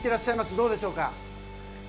どうでしょうか？